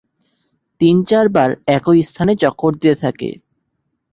তিন-চার বার একই স্থানে চক্কর দিতে থাকে।